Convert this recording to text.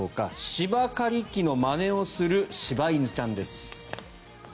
芝刈り機のまねをする柴犬ちゃんです。